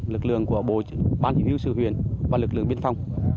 lực lượng của bộ bán hiểu hiếu sự huyền và lực lượng biên phòng